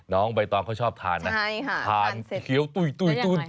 น้องใบต้องเขาชอบทานนะใช่ค่ะทานเสร็จเขียวตุ๊ยตุ๊ยตุ๊ย